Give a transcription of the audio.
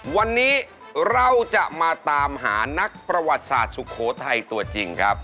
วันนี้เราจะมาตามหานักประวัติศาสตร์สุโขทัยตัวจริงครับ